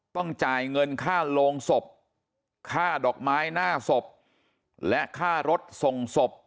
ต้องจ่ายเงินค่าโรงศพค่าดอกไม้หน้าศพและค่ารถส่งศพ